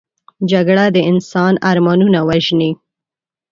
جګړه د انسان ارمانونه وژني